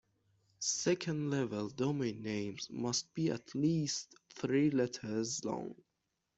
Second-level domain names must be at least three letters long.